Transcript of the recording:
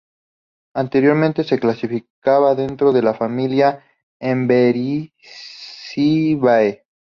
Anteriormente se clasificaba dentro de la familia Emberizidae.